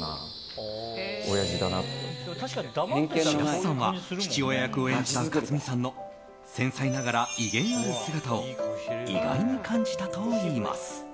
白洲さんは父親役を演じた克実さんの繊細ながら威厳ある姿を意外に感じたといいます。